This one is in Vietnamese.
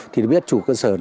thì đối với chủ cơ sở